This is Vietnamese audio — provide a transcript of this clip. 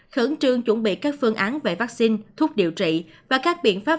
khẩn trương chuẩn bị các phương án về vaccine thuốc điều trị và các biện pháp